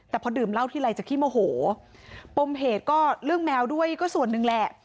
แต่พอดื่มเหล้าทีไรจะขี้โมโหปมเหตุก็เรื่องแมวด้วยก็ส่วนหนึ่งแหละ